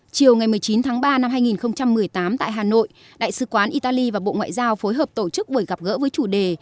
chiều ngày một mươi chín tháng ba năm hai nghìn một mươi tám tại hà nội đại sứ quán italy và bộ ngoại giao phối hợp tổ chức buổi gặp gỡ với chủ đề